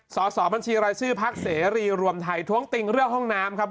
สอบบัญชีรายชื่อพักเสรีรวมไทยท้วงติงเรื่องห้องน้ำครับ